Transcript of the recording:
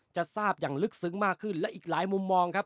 จะทราบอย่างลึกซึ้งมากขึ้นและอีกหลายมุมมองครับ